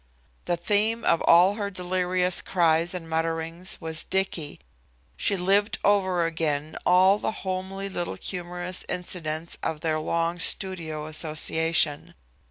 The theme of all her delirious cries and mutterings was Dicky. She lived over again all the homely little humorous incidents of their long studio association.